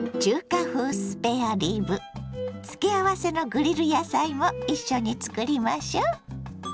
付け合わせのグリル野菜も一緒に作りましょ。